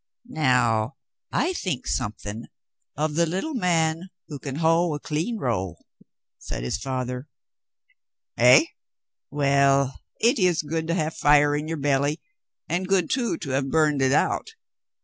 "Now, I think something of the little man who can hoe a clean row," said his father. "Eh, well, it is good to have fire in your belly, and good, too, to have burned it out.